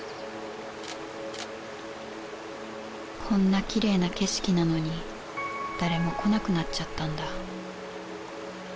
こんなきれいな景色なのに誰も来なくなっちゃったんだ